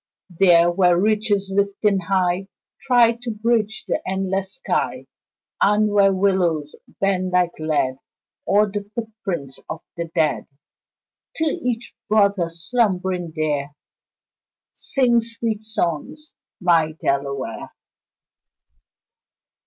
There, where ridges lifting high Try to bridge the endless sky, And where willows bend like lead O'er the footprints of the dead To each brother slumbering there, Sing sweet songs, my Delaware.